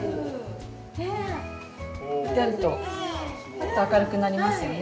パッと明るくなりますよね。